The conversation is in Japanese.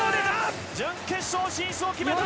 準決勝進出を決めた！